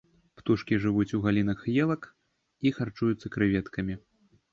Птушкі жывуць у галінах елак і харчуюцца крэветкамі.